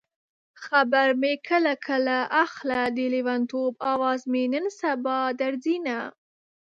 خبر مې کله کله اخله د لېونتوب اواز مې نن سبا درځينه